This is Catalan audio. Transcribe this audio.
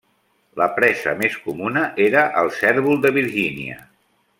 La presa més comuna era el cérvol de Virgínia.